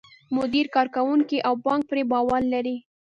مدیر، کارکوونکي او بانک پرې باور لري.